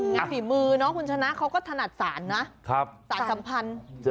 ฝีมือเนาะคุณชนะเขาก็ถนัดสารนะสารสัมพันธ์